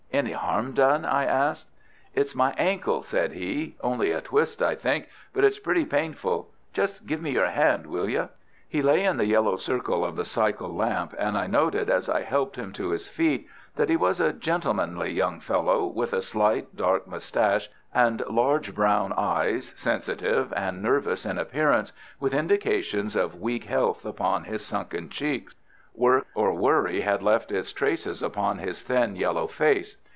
"Any harm done?" I asked. "It's my ankle," said he. "Only a twist, I think; but it's pretty painful. Just give me your hand, will you?" He lay in the yellow circle of the cycle lamp, and I noted as I helped him to his feet that he was a gentlemanly young fellow, with a slight dark moustache and large, brown eyes, sensitive and nervous in appearance, with indications of weak health upon his sunken cheeks. Work or worry had left its traces upon his thin, yellow face.